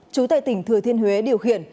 chú tại tỉnh thừa thiên huế điều khiển